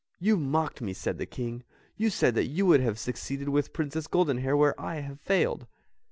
"You mocked me," said the King, "you said that you would have succeeded with the Princess Goldenhair where I have failed."